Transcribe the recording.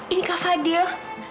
ini kak fadil